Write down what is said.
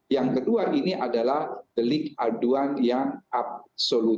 yang kedua ini adalah delik aduan yang absolut